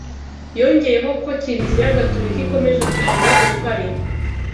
Yongeyeho ko Kiliziya Gatolika ikomeje kugira uruhare